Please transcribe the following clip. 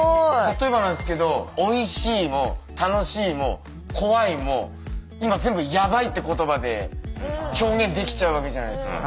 例えばなんですけど「おいしい」も「楽しい」も「怖い」も今全部「やばい」って言葉で表現できちゃうわけじゃないですか。